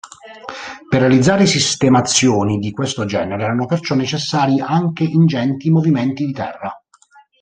Per realizzare sistemazioni di questo genere erano perciò necessari anche ingenti movimenti di terra.